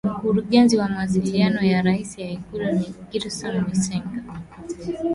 Mkurugenzi wa mawasiliano ya Rais Ikulu ni Gerson Msigwa